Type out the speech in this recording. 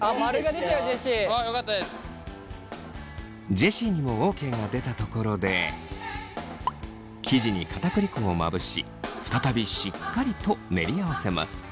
ジェシーにもＯＫが出たところで生地に片栗粉をまぶし再びしっかりと練り合わせます。